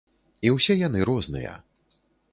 І ўсе яны розныя.